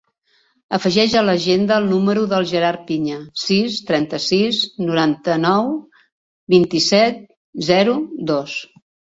Afegeix a l'agenda el número del Gerard Piña: sis, trenta-sis, noranta-nou, vint-i-set, zero, dos.